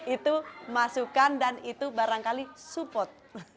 itu masukkan dan itu barangkali super